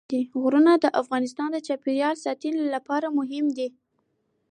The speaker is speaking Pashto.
غرونه د افغانستان د چاپیریال ساتنې لپاره مهم دي.